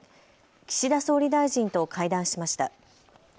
岸田総理大臣と会談しました。